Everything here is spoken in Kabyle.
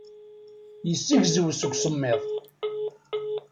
Yezzegzew seg usemmiḍ.